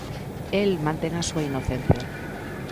El mantén a súa inocencia.